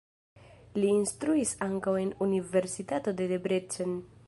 Li instruis ankaŭ en Universitato de Debrecen.